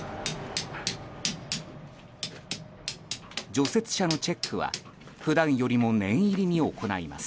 除雪車のチェックは普段よりも念入りに行います。